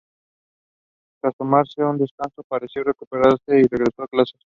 Tras tomarse un descanso, pareció recuperarse y regresó a clases.